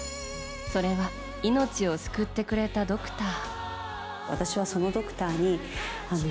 それは命を救ってくれたドクター。